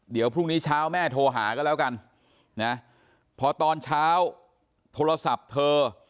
เดี๋ยวพรุ่งนี้เช้าแม่โทรหาก็แล้วกันนะพอตอนเช้าโทรศัพท์เธอ